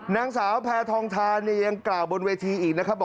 นางสาวแพทองทานเนี่ยยังกล่าวบนเวทีอีกนะครับบอก